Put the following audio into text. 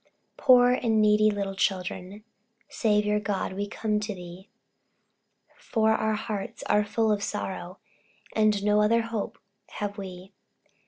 Poor and needy little children, Saviour, God, we come to Thee, For our hearts are full of sorrow, And no other hope have we.